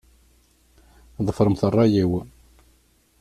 Ḍefṛemt ṛṛay-iw.